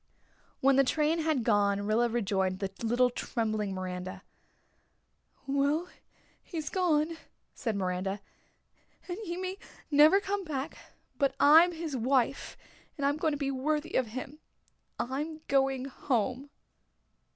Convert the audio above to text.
When the train had gone Rilla rejoined the little trembling Miranda. "Well, he's gone," said Miranda, "and he may never come back but I'm his wife, and I'm going to be worthy of him. I'm going home."